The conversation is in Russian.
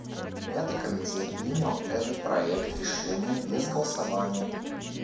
Пятый комитет принял этот проект решения без голосования.